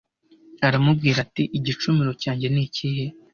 aramubwira ati “igicumuro cyanjye ni ikihe?”